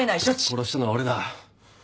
殺したのは俺だ。